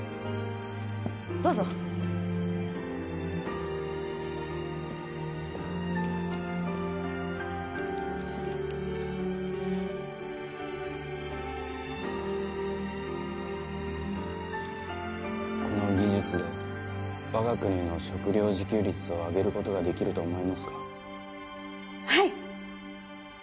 どうぞこの技術で我が国の食料自給率を上げることができると思いますかはい！